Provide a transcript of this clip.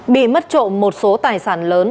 bị mất trộm một số tài sản lớn